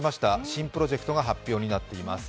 新プロジェクトが発表になっています。